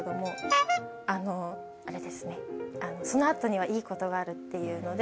そのあとにはいいことがあるっていうので。